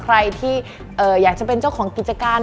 ใครที่อยากจะเป็นเจ้าของกิจการ